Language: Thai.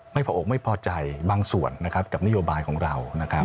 พออกไม่พอใจบางส่วนนะครับกับนโยบายของเรานะครับ